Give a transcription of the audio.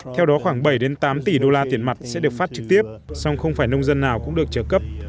theo đó khoảng bảy tám tỷ đô la tiền mặt sẽ được phát trực tiếp song không phải nông dân nào cũng được trợ cấp